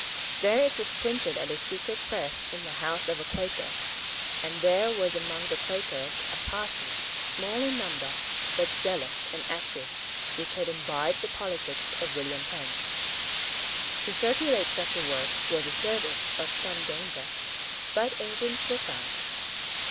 There it was printed at a secret press in the house of a Quaker; for there was among the Quakers a party, small in number, but zealous and active, which had imbibed the politics of William Penn. To circulate such a work was a service of some danger; but agents were found.